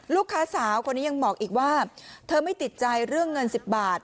ลูกค้าสาวคนนี้ยังบอกอีกว่าเธอไม่ติดใจเรื่องเงิน๑๐บาท